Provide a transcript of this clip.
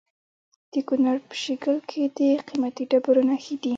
د کونړ په شیګل کې د قیمتي ډبرو نښې دي.